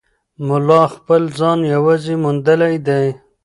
ملا خپل ځان یوازې موندلی دی.